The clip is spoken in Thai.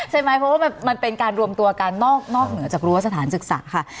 ใช่ไหมเพราะว่ามันเป็นการรวมตัวกันนอกเหนือจากรั้วสถานศึกษาค่ะ